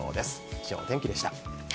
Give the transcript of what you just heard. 以上、お天気でした。